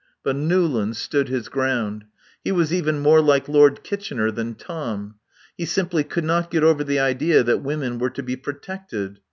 But Newlands stood his ground. He was even more like Lord Kitchener than Tom. He simply could not get over the idea that women were to be protected.